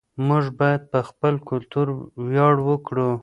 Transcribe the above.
موږ باید په خپل کلتور ویاړ وکړو.